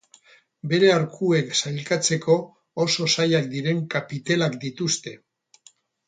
Bere arkuek sailkatzeko oso zailak diren kapitelak dituzte.